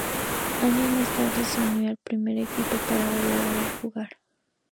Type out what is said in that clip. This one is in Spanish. Años más tarde, se unió al primer equipo para volver a jugar.